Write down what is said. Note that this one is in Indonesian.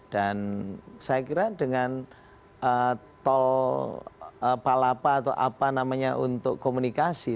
dan saya kira dengan tol palapa atau apa namanya untuk komunikasi